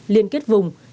liên kết vùng